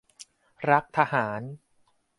รักทหาร